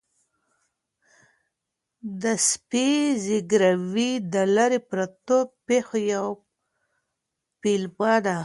د سپي زګیروی د لیرې پرتو پېښو یو پیلامه ده.